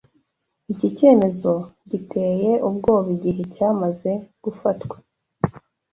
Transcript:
Iki cyemezo giteye ubwoba igihe cyamaze gufatwa